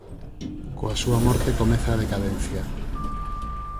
Coa súa morte comeza a decadencia.